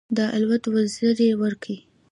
د الوت وزرې ورکوي.